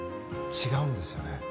違うんですよね。